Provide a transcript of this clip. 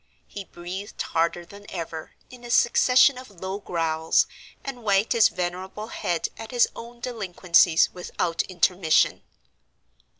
He breathed harder than ever, in a succession of low growls, and wagged his venerable head at his own delinquencies without intermission.